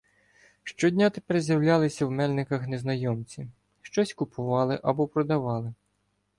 Щодня тепер з'являлися в Мельниках незнайомці, щось купували або продавали.